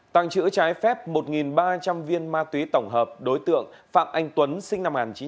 tăng chữ trái phép một ba trăm linh viên ma túy tổng hợp đối tượng phạm anh tuấn sinh năm một nghìn chín trăm tám mươi sáu